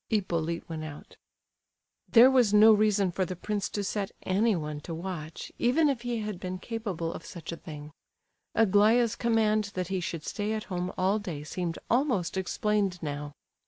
Hippolyte went out. There was no reason for the prince to set anyone to watch, even if he had been capable of such a thing. Aglaya's command that he should stay at home all day seemed almost explained now.